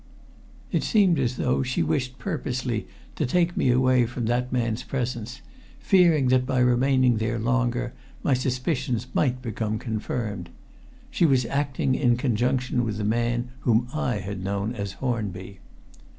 It seemed as though she wished purposely to take me away from that man's presence, fearing that by remaining there longer my suspicions might become confirmed. She was acting in conjunction with the man whom I had known as Hornby.